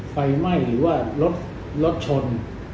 ไฟไหม้หรือว่ารถชน